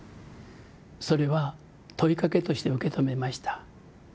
それは「問いかけ」として受け止めました。